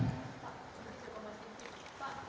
sistem yang di masa itu seperti apa